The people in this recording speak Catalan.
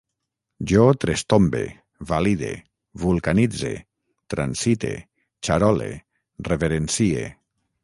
Jo trestombe, valide, vulcanitze, transite, xarole, reverencie